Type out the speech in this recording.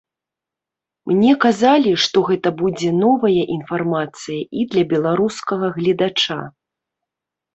Мне казалі, што гэта будзе новая інфармацыя і для беларускага гледача.